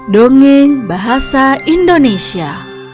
dongeng bahasa indonesia